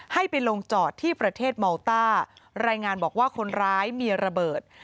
ให้ไปลงจอดที่ประเทศเมาต้ารายงานบอกว่าคนร้ายมีระเบิด